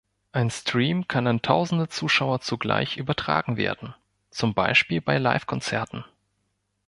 Ein Stream kann an tausende Zuschauer zugleich übertragen werden, zum Beispiel bei Livekonzerten.